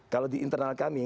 kalau di internal kami